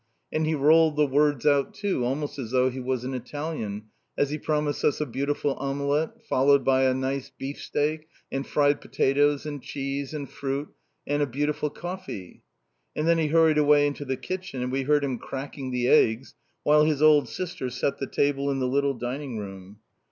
And he rolled the words out too, almost as though he was an Italian, as he promised us a bonne omelette, followed by a bon bif steak, and fried potatoes, and cheese, and fruit and a bon café! Then he hurried away into the kitchen, and we heard him cracking the eggs, while his old sister set the table in the little dining room.